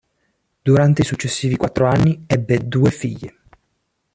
Durante i successivi quattro anni ebbe due figli.